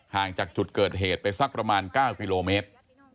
ห่างจากจุดเกิดเหตุไปสักประมาณ๙กิโลเมตร